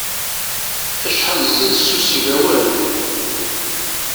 Acḥal ziḍ seksu s yibawen!